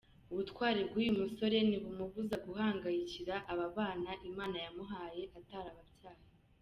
Ubutwari bw’uyu musore ntibumubuza guhangayikira aba bana Imana yamuhaye atarababyaye.